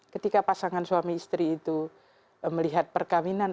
ketika pasangan suami istri itu melihat perkawinan